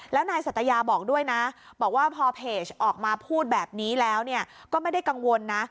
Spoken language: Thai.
แล้วนายสัตยาบอกด้วยนะบอกว่าพอเพจออกมาพูดแบบนี้แล้วก็ไม่ได้กังวลนะ